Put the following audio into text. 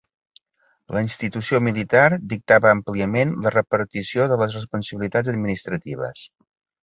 La institució militar dictava àmpliament la repartició de les responsabilitats administratives.